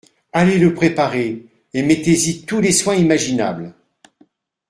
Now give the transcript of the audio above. Allez le préparer… et mettez-y tous les soins imaginables…